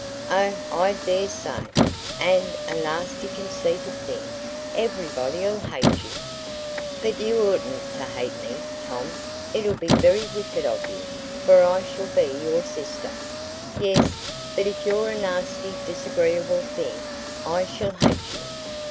"Oh, I dare say, and a nasty conceited thing. Everybody'll hate you." "But you oughtn't to hate me, Tom; it'll be very wicked of you, for I shall be your sister." "Yes, but if you're a nasty disagreeable thing I shall hate you."